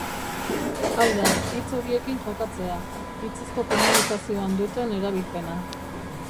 Hau da, hitz horiekin jokatzea, hitzezko komunikazioan duten erabilpena.